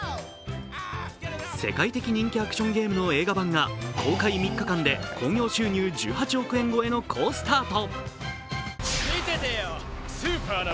世界的人気アクションゲームの映画版が公開３日間で興行収入１８億円超えの好スタート。